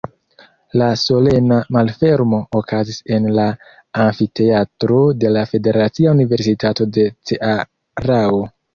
La solena malfermo okazis en la amfiteatro de la Federacia Universitato de Cearao.